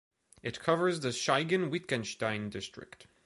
It covers the Siegen-Wittgenstein district.